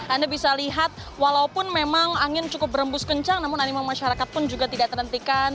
anda bisa lihat walaupun memang angin cukup berembus kencang namun animo masyarakat pun juga tidak terhentikan